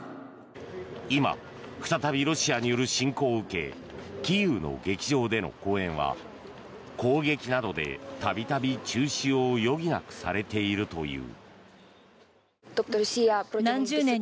今、再びロシアによる侵攻を受けキーウの劇場での公演は攻撃などで度々中止を余儀なくされているという。